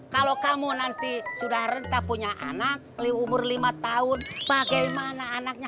kalau kamu nanti sudah rentah punya anak di umur lima tahun bagaimana anaknya